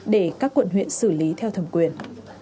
để các quận huyện xử lý theo thẩm quyền